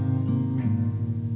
dan membeli kaki palsu